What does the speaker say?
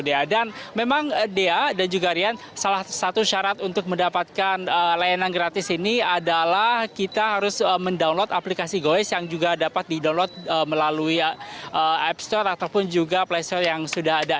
dan memang dea dan juga rian salah satu syarat untuk mendapatkan layanan gratis ini adalah kita harus mendownload aplikasi gowes yang juga dapat didownload melalui app store ataupun juga play store yang sudah ada